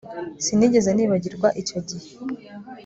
Sinigeze nibagirwa icyo gihe